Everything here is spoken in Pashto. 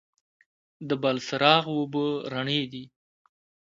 د بلچراغ اوبه رڼې دي